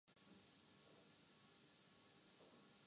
در حال حاضر مشکلات ایمیلی دارم